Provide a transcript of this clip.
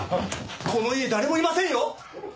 この家誰もいませんよ！